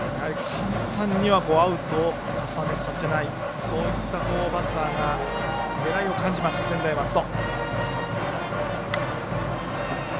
簡単にはアウトを重ねさせないというバッターの狙いを感じる専大松戸。